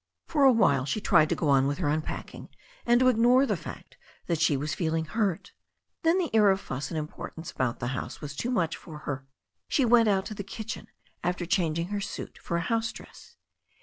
For a while she tried to go on with her unpacking, and to ignore the fact that she was feeling hurt. Then the air of fuss and importance about the house was too much for her. She went out to the kitchen after changing her suit for a house dress.